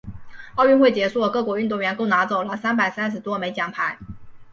奥运会结束，各国运动员共拿走了三百三十多枚奖牌。